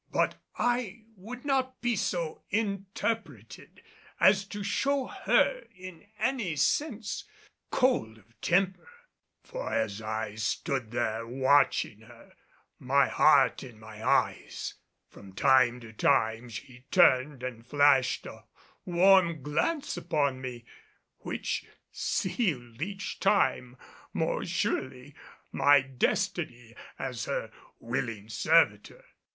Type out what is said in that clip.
But I would not be so interpreted as to show her in any sense cold of temper, for as I stood there watching her, my heart in my eyes, from time to time she turned and flashed a warm glance upon me, which sealed each time more surely my destiny as her willing servitor.